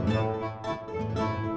ya aku mau